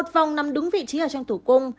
một vòng nằm đúng vị trí ở trong thủ cung